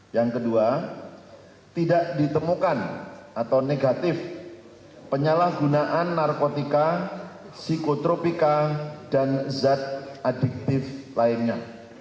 yang kedua tidak ditemukan atau negatif penyalahgunaan narkotika psikotropika dan zat adiktif lainnya